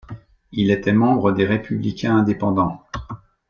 Il était membre des Républicains indépendants.